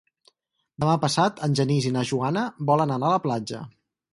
Demà passat en Genís i na Joana volen anar a la platja.